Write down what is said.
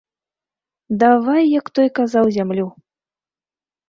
Давай, як той казаў, зямлю.